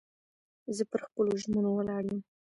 زه پر خپلو ژمنو ولاړ یم.